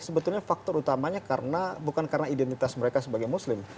sebetulnya faktor utamanya bukan karena identitas mereka sebagai muslim